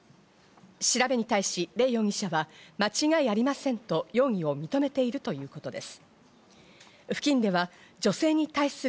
調べに対し、レ容疑者は間違いありませんと容疑を認めているということです。